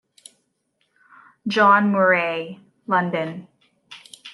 John Murray, London.